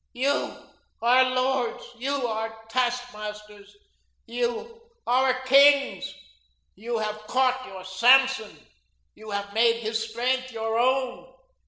You, our lords, you, our task masters, you, our kings; you have caught your Samson, you have made his strength your own.